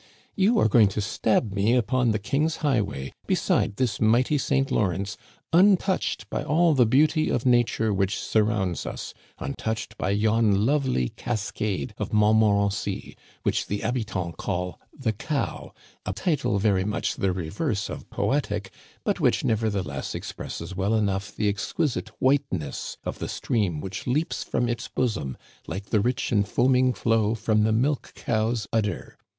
*" You are going to stab me upon the king's highway, beside this mighty St. Lawrence, untouched by all the beauty of nature which surrounds us — untouched by yon lovely cascade of Montmorency, which the habitants call 'The Cow,' a title very much the reverse of poetic, but which, nevertheless, expresses well enough the ex quisite whiteness of the stream which leaps from its bosom like the rich and foaming flow from the milch cow's udder.